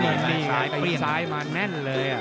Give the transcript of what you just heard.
มันเป็นอี๋ซ้ายเปลี่ยนซ้ายมาแม่นเลยอ่ะ